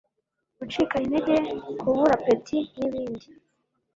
Gucika intege, Kubura appétit n'ibindi